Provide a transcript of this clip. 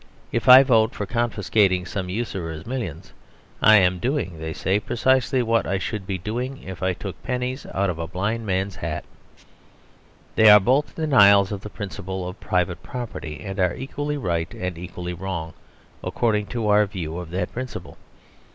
If I vote for confiscating some usurer's millions I am doing, they say, precisely what I should be doing if I took pennies out of a blind man's hat. They are both denials of the principle of private property, and are equally right and equally wrong, according to our view of that principle.